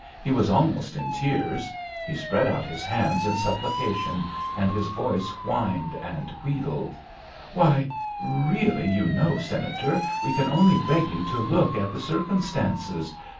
He was almost in tears; he spread out his hands in supplication, and his voice whined and wheedled. "Why, really, you know, Senator, we can only beg you to look at the circumstances.